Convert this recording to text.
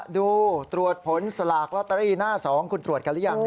ดูตรวจผลและสลากระไตรศีลหน้า๒คุณตรวจกันหรือยัง